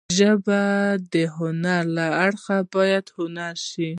د ژبې هنري اړخ باید هیر نشي.